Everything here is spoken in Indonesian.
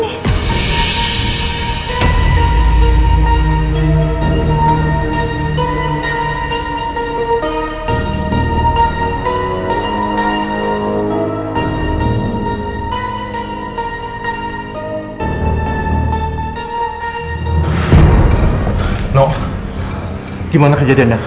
nino gimana kejadiannya